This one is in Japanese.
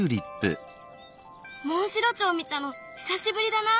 モンシロチョウ見たの久しぶりだな。